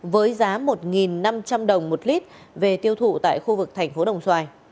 với giá một năm trăm linh đồng một lít về tiêu thụ tại khu vực tp đồng xoài